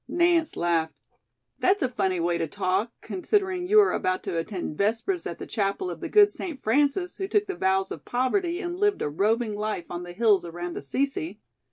Nance laughed. "That's a funny way to talk, considering you are about to attend Vespers at the Chapel of the good St. Francis, who took the vows of poverty and lived a roving life on the hills around Assisi."